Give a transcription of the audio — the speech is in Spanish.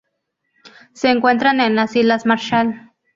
Se encuentran en las islas Marshall.